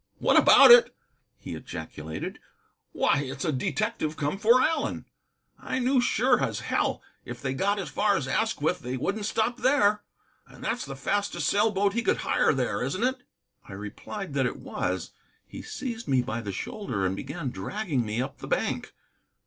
"What about it?" he ejaculated. "Why, it's a detective come for Allen. I knew sure as hell if they got as far as Asquith they wouldn't stop there. And that's the fastest sail boat he could hire there, isn't it?" I replied that it was. He seized me by the shoulder and began dragging me up the bank.